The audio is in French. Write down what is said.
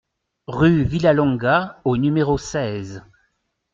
Rue Villalonga au numéro seize